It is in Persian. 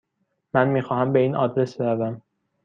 من میخواهم به این آدرس بروم.